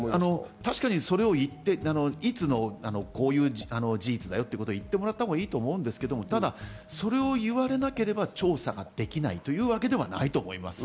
確かに、いつのこういう事実だよと言ってもらったほうがいいんですけど、ただそれを言われなければ調査ができないというわけではないと思います。